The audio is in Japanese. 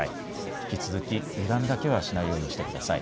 引き続き油断だけはしないようにしてください。